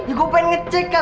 ya gue pengen ngecek kak